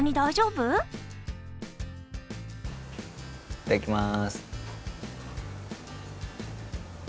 いただきます。